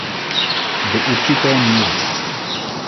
Do určité míry.